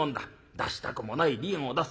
出したくもない離縁を出す。